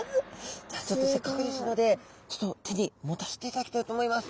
じゃあちょっとせっかくですので手に持たせていただきたいと思います。